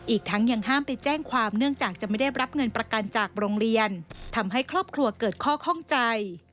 อีกทั้งยังห้ามไปแจ้งความเนื่องจากจะไม่ได้รับเงินประกันจากโรงเรียนทำให้ครอบครัวเกิดข้อข้องใจ